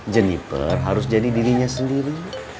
jenniper harus jadi dirinya sendiri